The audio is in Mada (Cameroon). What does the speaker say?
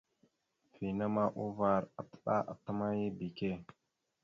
Vina ma uvar atəɗálele atəmáya ebeke.